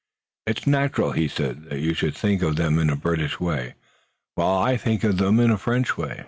"It's natural," he said, "that you should think of them in a British way, while I think of them in a French way.